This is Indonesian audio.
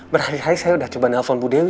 berhari hari saya udah coba nelfon bu dewi